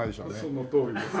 そのとおりです。